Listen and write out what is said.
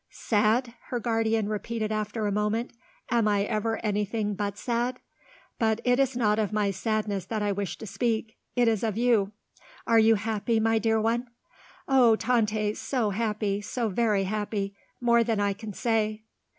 "Sad?" her guardian repeated after a moment. "Am I ever anything but sad? But it is not of my sadness that I wish to speak. It is of you. Are you happy, my dear one?" "Oh, Tante so happy, so very happy; more than I can say."